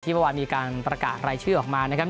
เมื่อวานมีการประกาศรายชื่อออกมานะครับ